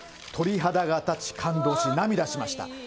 鳥肌が立ち、感動し、涙しました。